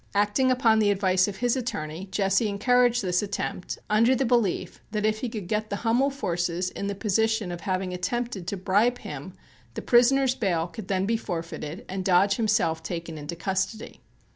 Acting upon the advice of his attorney, Jesse encouraged this attempt, under the belief that if he could get the Hummel forces in the position of having attempted to bribe him the prisoner's bail could then be forfeited and Dodge himself taken into custody.